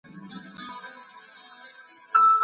هغه شرایط چي د پرمختګ لپاره اړین دي باید برابر سي.